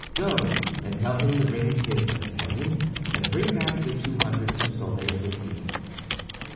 Go and tell him the ring is his, D'Artagnan, and bring back the two hundred pistoles with you."